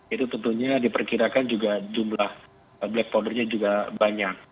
itu tentunya diperkirakan juga jumlah black powdernya juga banyak